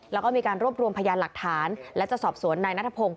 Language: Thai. แล้วก็มีการรวบรวมพยานหลักฐานและจะสอบสวนนายนัทพงศ์